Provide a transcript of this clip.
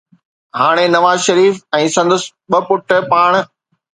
هاڻي نواز شريف ۽ سندس ٻه پٽ پاڻ